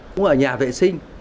cũng ở nhà vệ sinh